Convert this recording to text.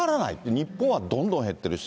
日本はどんどん減ってるし。